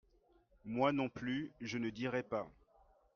Moi non plus je ne dirai pas.